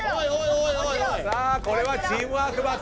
さあこれはチームワーク抜群！